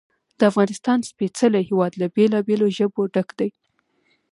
د افغانستان سپېڅلی هېواد له بېلابېلو ژبو ډک دی.